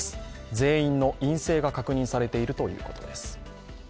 全員の陰性が確認されているということです。